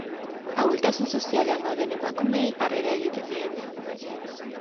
Ahultasun sozialean dauden emakumeei harrera egiten diete.